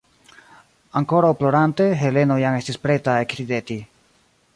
Ankoraŭ plorante, Heleno jam estis preta ekrideti.